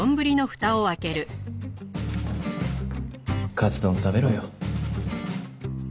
カツ丼食べろよ。